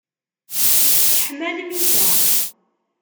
Teḥma lmissa.